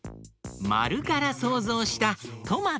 まるからそうぞうしたトマトだよ。